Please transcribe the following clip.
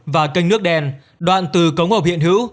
và kênh nước đen đoạn từ cống hộp hiện hữu